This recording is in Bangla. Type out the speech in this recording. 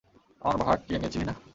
আমার ভাগ কেয়ে নিয়েছিলি না?